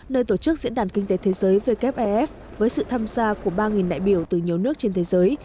nơi tổ chức diễn đàn kinh tế thế giới wfef với sự tham gia của ba đại biểu từ nhiều nước trên thế giới